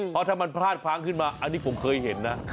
เพราะถ้ามันพลาดพลั้งขึ้นมาอันนี้ผมเคยเห็นนะ